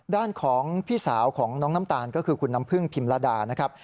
ด้านของพี่สาวของน้องน้ำตาลก็คือคุณน้ำพึ่งพิมระดานะครับ